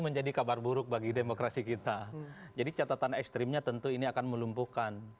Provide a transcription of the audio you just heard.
menjadi kabar buruk bagi demokrasi kita jadi catatan ekstrimnya tentu ini akan melumpuhkan